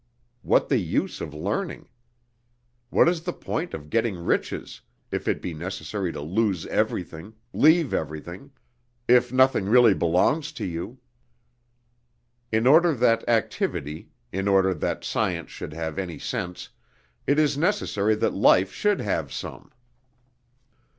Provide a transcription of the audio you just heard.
What the use of learning? What is the point of getting riches if it be necessary to lose everything, leave everything, if nothing really belongs to you? In order that activity, in order that science should have any sense, it is necessary that life should have some.